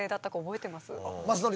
覚えてます